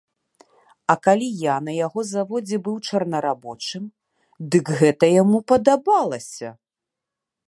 А калі я на яго заводзе быў чорнарабочым, дык гэта яму падабалася!